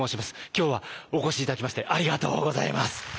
今日はお越し頂きましてありがとうございます。